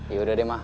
yaudah deh mah